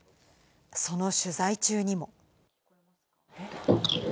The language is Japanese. その取材中にも。